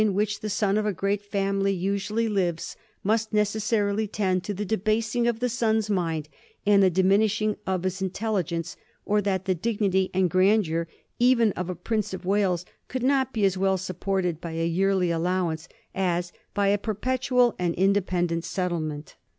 85 which the son of a great family usually lives, must neces sarily tend to the debasing of the son's mind and the di minishing of his intelligence, or that the dignity and grandeur even of a Prince of Wales could not be as well supported by a yearly allowance as by a perpetual and in dependent settlement.